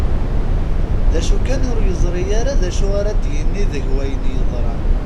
D acu kan ur yeẓri ara d acu ara d-yini deg wayen yeḍran.